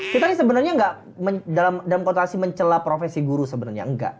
kita kan sebenernya gak dalam kontroversi mencela profesi guru sebenernya enggak